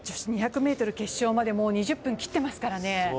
女子２００ｍ決勝までもう２０分切っていますからね。